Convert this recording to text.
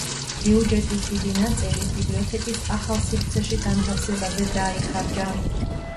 ბიუჯეტის დიდი ნაწილი ბიბლიოთეკის ახალ სივრცეში განთავსებაზე დაიხარჯა.